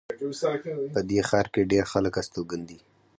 په دې ښار کې ډېر خلک استوګن دي